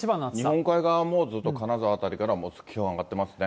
日本海側もずっと金沢辺りから気温が上がってますね。